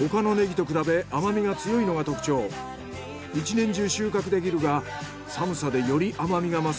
１年中収穫できるが寒さでより甘みが増す